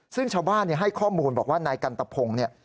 ซึ่งชาวบ้านให้ข้อมูลบอกว่านายกันตะพงศ์เนี่ย